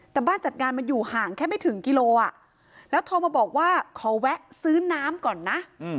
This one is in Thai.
แต่บ้านจัดงานมันอยู่ห่างแค่ไม่ถึงกิโลแล้วโทรมาบอกว่าขอแวะซื้อน้ำก่อนนะ